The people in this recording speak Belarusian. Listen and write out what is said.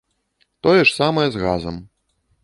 Тое ж самае з газам.